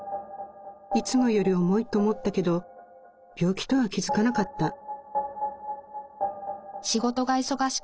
いつもより重いと思ったけど病気とは気づかなかった。